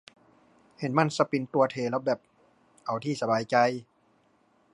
เห็นมันสปินตัวเทแล้วแบบ เอาที่สบายใจ ????